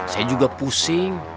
saya juga pusing